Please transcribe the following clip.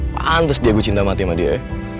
pantas dia gue cinta mati sama dia ya